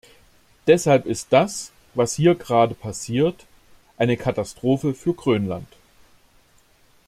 Deshalb ist das, was hier gerade passiert, eine Katastrophe für Grönland.